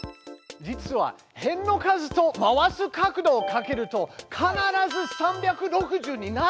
実は辺の数と回す角度をかけると必ず３６０になるんです！